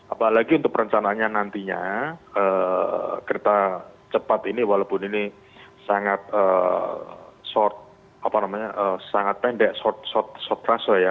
apalagi untuk perencanaannya nantinya kereta cepat ini walaupun ini sangat pendek short fase ya